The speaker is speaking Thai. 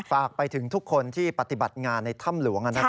ฝากไปถึงทุกคนที่ปฏิบัติงานในถ้ำหลวง